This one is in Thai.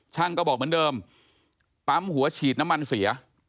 ช่างก็บอกเหมือนเดิมปั๊มหัวฉีดน้ำมันเสีย